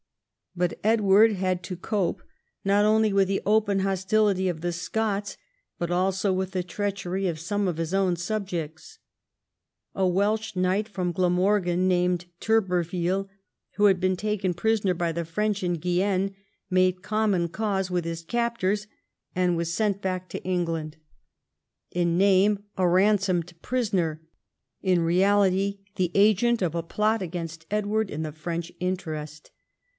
But Edward had to cope not only Avith the open hostility of the Scots, but also with the treachery of some of his own subjects. A Welsh squire from Glamorgan, named Turberville, who had been taken prisoner by the French in Guienne, made common cause with his captors and was sent back to England, in name XI THE YEARS OF CRISIS 189 a ransomed prisoner, in reality the agent of a plot against Edward in the French interest.